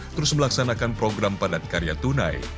terus melaksanakan program padat karya tunai